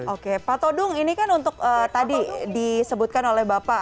oke pak todung ini kan untuk tadi disebutkan oleh bapak